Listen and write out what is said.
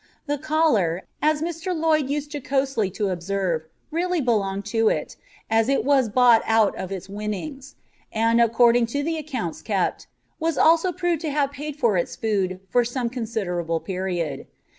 The collar, as Mr. Lloyd used jocosely to observe, really belonged to it, as it was bought out of its winnings; and, according to the accounts kept, was proved also to have paid for its food for some considerable period.